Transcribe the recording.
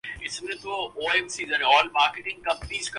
جب اس کے سامنے واضح مقاصد ہوں۔